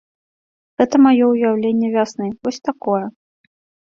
Гэта маё ўяўленне вясны, вось такое.